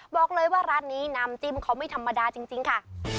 บอกเลยว่าร้านนี้น้ำจิ้มเขาไม่ธรรมดาจริงค่ะ